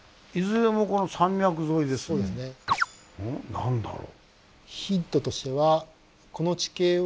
何だろう。